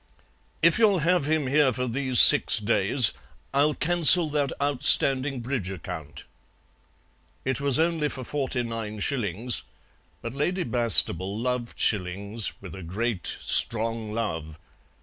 "If you'll have him here for these six days I'll cancel that outstanding bridge account." It was only for forty nine shillings, but Lady Bastable loved shillings with a great, strong love.